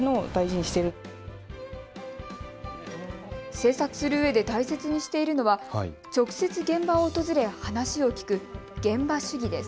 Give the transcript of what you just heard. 制作するうえで大切にしているのは直接、現場を訪れ話を聴く現場主義です。